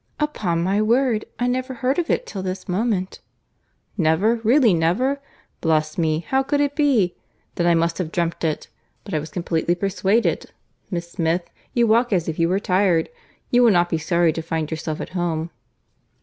"Upon my word I never heard of it till this moment." "Never! really, never!—Bless me! how could it be?—Then I must have dreamt it—but I was completely persuaded—Miss Smith, you walk as if you were tired. You will not be sorry to find yourself at home."